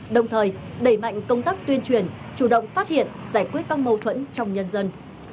đồng thời đẩy mạnh công tác tuyên truyền chủ động phát hiện giải quyết các mâu thuẫn trong nhân dân